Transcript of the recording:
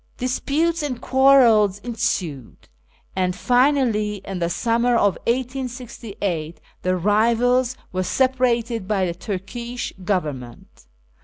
Disputes and quarrels ensued, and finally, in the summer of 1868, the rivals were separated by the Turkish Government.